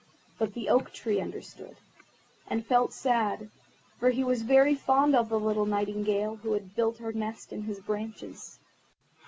But the Oak tree understood, and felt sad, for he was very fond of the little Nightingale who had built her nest in his branches.